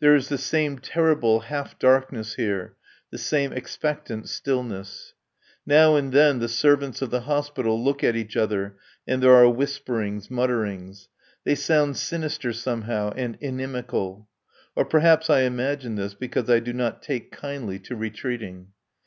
There is the same terrible half darkness here, the same expectant stillness. Now and then the servants of the hospital look at each other and there are whisperings, mutterings. They sound sinister somehow and inimical. Or perhaps I imagine this because I do not take kindly to retreating.